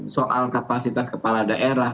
soal kapasitas kepala daerah